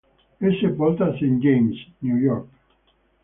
È sepolta a St. James, New York.